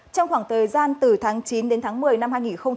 trong khoảng thời gian từ tháng chín đến tháng một mươi năm hai nghìn hai mươi ba